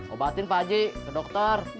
obatin pak haji ke dokter